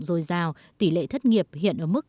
dồi dào tỷ lệ thất nghiệp hiện ở mức